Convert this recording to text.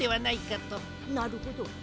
なるほど。